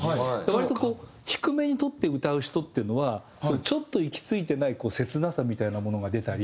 割とこう低めにとって歌う人っていうのはちょっと行き着いてない切なさみたいなものが出たり。